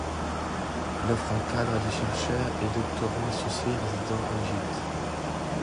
Il offre un cadre à des chercheurs et doctorants associés résidant en Égypte.